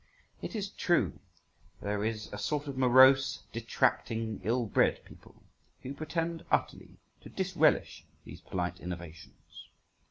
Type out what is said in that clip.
It is true there is a sort of morose, detracting, ill bred people who pretend utterly to disrelish these polite innovations.